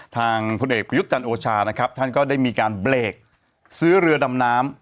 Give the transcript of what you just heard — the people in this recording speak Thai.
พลเอกประยุทธ์จันทร์โอชานะครับท่านก็ได้มีการเบรกซื้อเรือดำน้ำ